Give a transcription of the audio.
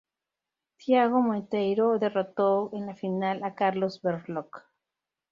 Thiago Monteiro derrotó en la final a Carlos Berlocq.